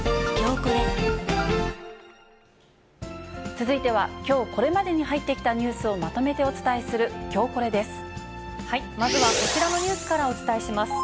続いては、きょうこれまでに入ってきたニュースをまとめてお伝えする、まずはこちらのニュースからお伝えします。